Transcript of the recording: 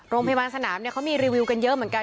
โรงพยาบาลสนามเขามีรีวิวกันเยอะเหมือนกัน